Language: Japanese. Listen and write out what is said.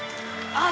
ああ！